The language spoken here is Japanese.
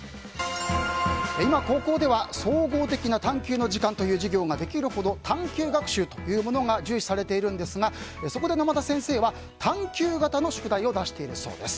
今、高校では総合的な探求の時間という授業ができるほど探求学習というものが重視されているんですがそこで沼田先生は探求型の宿題を出しているそうです。